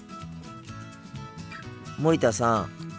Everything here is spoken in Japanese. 森田さん